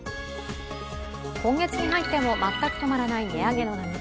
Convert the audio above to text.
今月に入っても全く止まらない値上げの波。